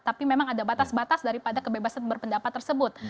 tapi memang ada batas batas daripada kebebasan berpendapat tersebut